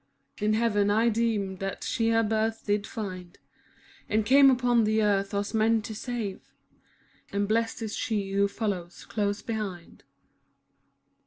In heaven I deem that she her birth did find. And came upon the earth us men to save, And blest is she who follows close behind.